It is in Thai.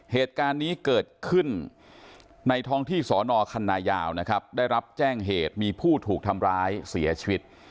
เหตุการณ์นี้เกิดขึ้นในท้องที่สอนอคันนายาวนะครับได้รับแจ้งเหตุมีผู้ถูกทำร้ายเสียชีวิต